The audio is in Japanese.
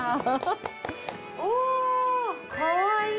おかわいい。